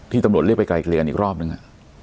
ที่ตำรวจเรียกไปไกลเกลียนอีกรอบหนึ่งอ่ะ